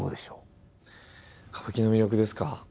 歌舞伎の魅力ですか。